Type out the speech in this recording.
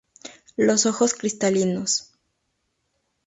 Los ojos cristalinos.